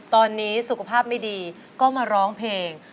ตอนนี้สุขภาพไม่ดีก็มาร้องเพลง